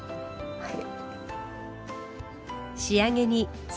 はい。